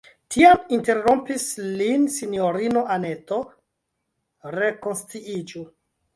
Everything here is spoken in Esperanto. Tiam interrompis lin sinjorino Anneto: rekonsciiĝu!